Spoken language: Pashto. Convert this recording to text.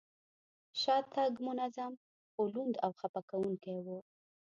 شاتګ منظم، خو لوند او خپه کوونکی و.